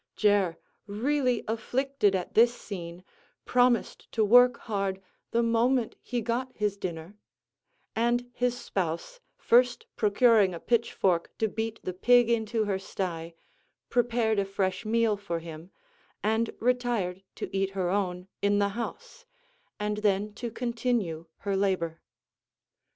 Jer, really afflicted at this scene, promised to work hard the moment he got his dinner; and his spouse, first procuring a pitchfork to beat the pig into her sty, prepared a fresh meal for him, and retired to eat her own in the house, and then to continue her labor.